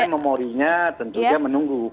kemudian memorinya tentunya menunggu